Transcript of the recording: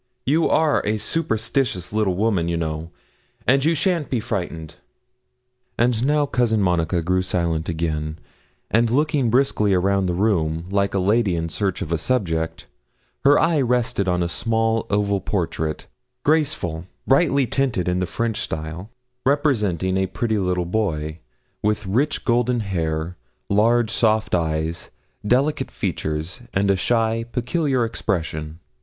You are a superstitious little woman, you know, and you shan't be frightened.' And now Cousin Monica grew silent again, and looking briskly around the room, like a lady in search of a subject, her eye rested on a small oval portrait, graceful, brightly tinted, in the French style, representing a pretty little boy, with rich golden hair, large soft eyes, delicate features, and a shy, peculiar expression.